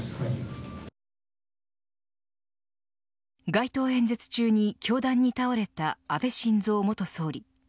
街頭演説中に凶弾に倒れた安倍晋三元総理。